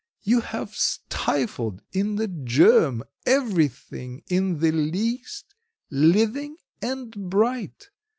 You have stifled in the germ everything in the least living and bright.